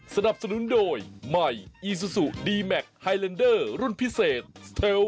สนับสนุนโดยใหม่อีซูซูดีแมคไฮเลนเดอร์รุ่นพิเศษเทล